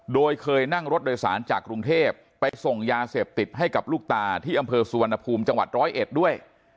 โดยเคยนั่งรถโดยสารจากกรุงเทพไปส่งยาเสพติดให้กับลูกตาที่อำเภอสุวรรณภูมิจังหวัดร้อยเอ็ดด้วย